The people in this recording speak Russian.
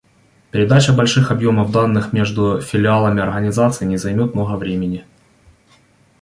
Передача больших объемов данных между филиалами организации не займет много времени